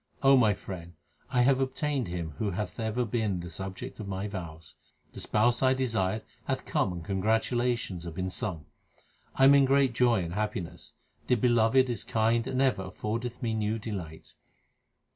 my friend, I have obtained Him who hath ever been the object of my vows. The Spouse I desired hath come and congratulations have been sung. 1 am in great joy and happiness ; the Beloved is kind and ever affordeth me new delight.